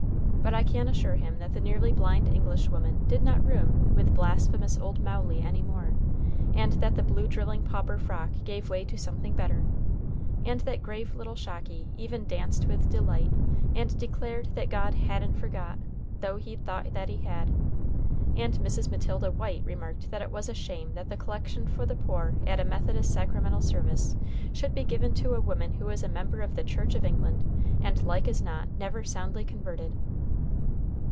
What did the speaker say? But I can assure him that the nearly blind English woman did not room with blasphemous old Mowley any more, and that the blue drilling pauper frock gave way to something better, and that grave little Shocky even danced with delight, and declared that God hadn't forgot, though he'd thought that He had. And Mrs. Matilda White remarked that it was a shame that the collection for the poor at a Methodist sacramental service should be given to a woman who was a member of the Church of England, and like as not never soundly converted!